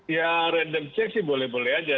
ya random check sih boleh boleh aja